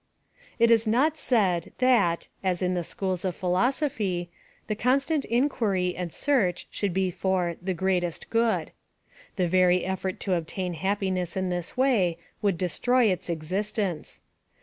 It is not said, that, as in the scliools of philoso phy, the constant inquiry and search should be foi the ' greatest good.' The very effort to obtain hap piness in this way would destroy its existence.